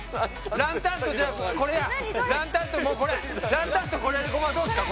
ランタンとこれで５万どうですか？